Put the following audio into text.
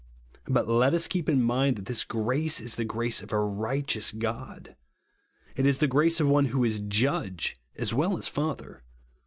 But let us keep in mind that this grace is the grace of a rigJUeous God ; it is the grace of one who is Judge as well as Father.